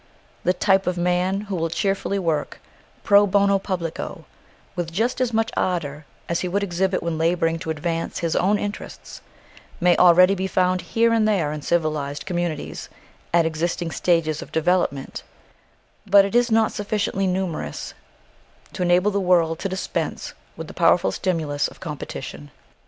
The type of man who will cheerfully work pro bono publico, with just as much ardour as he would exhibit when labouring to advance his own interests, may already be found here and there in civilised communities at existing stages of development; but it is not sufficiently numerous to enable the world to dispense with the powerful stimulus of competition.